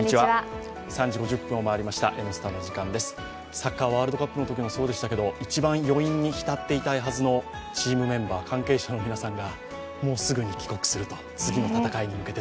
サッカー、ワールドカップのときもそうでしたけれども、一番余韻にひたっていたいはずのチームメンバー、関係者の皆さんがもうすぐに帰国すると、次の戦いに向けて。